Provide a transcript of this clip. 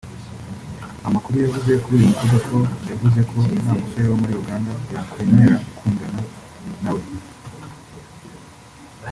Amakuru yavuzwe kuri uyu mukobwa ko yavuze ko nta musore wo muri Uganda yakwemera gukundana na we